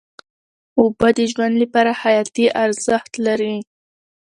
اوبه د ژوند لپاره حیاتي ارزښت لري.